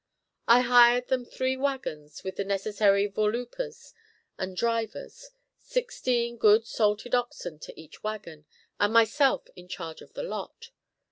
I hired them three wagons with the necessary voorloopers and drivers, sixteen good salted oxen to each wagon, and myself in charge of the lot.